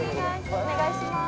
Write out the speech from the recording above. お願いします。